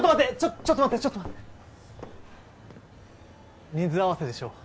ちょっと待ってちょっと待って人数合わせでしょ？